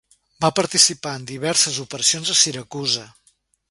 Va participar en diverses operacions a Siracusa.